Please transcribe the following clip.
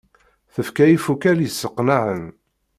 Tefka ifukal yesseqnaɛen.